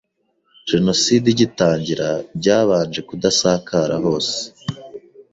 genocide igitangira byabanje kudasakara hose